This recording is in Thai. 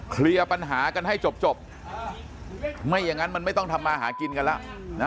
เคลียร์ปัญหากันให้จบไม่อย่างนั้นมันไม่ต้องทำมาหากินกันแล้วนะ